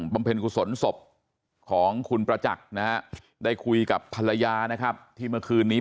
เพ็ญกุศลศพของคุณประจักษ์นะฮะได้คุยกับภรรยานะครับที่เมื่อคืนนี้